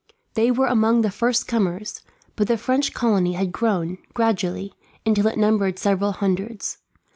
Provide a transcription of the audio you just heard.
They were among the first comers, but the French colony had grown, gradually, until it numbered several hundreds.